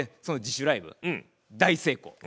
その自主ライブ大成功。